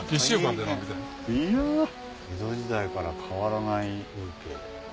江戸時代から変わらない風景。